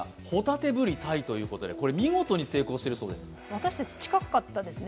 私たち、近かったですね。